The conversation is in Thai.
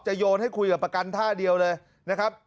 โยนให้คุยกับประกันท่าเดียวเลยนะครับ